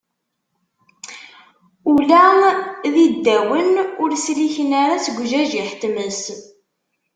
Ula d iddawen ur sliken ara seg ujajiḥ n tmes